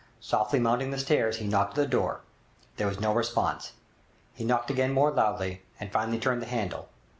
Softly mounting the stairs, he knocked at the door. There was no response. He knocked again more loudly, and finally turned the handle.